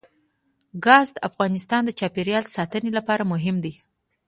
ګاز د افغانستان د چاپیریال ساتنې لپاره مهم دي.